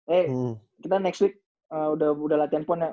eh kita next week udah latihan ponnya